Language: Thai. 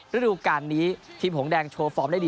ฤดูการนี้ทีมหงแดงโชว์ฟอร์มได้ดี